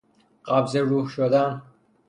قبض روح شدن